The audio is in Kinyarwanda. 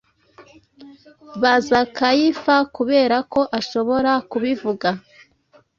Baza Kayifa; kuberako ashobora kubivuga.